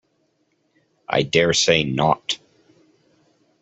I dare say not.